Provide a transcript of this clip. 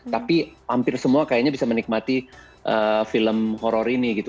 tapi hampir semua kayaknya bisa menikmati film horror ini gitu